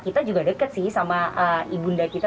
kita juga deket sih sama ibunda kita